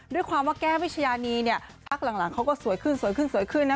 ด้วยความว่าแก้มวิชาณีสักหลังเขาก็สวยขึ้นนะคุณคะ